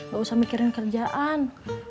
gak usah mikirin kerjaan